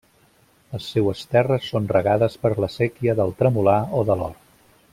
Les seues terres són regades per la séquia del Tremolar o de l'Or.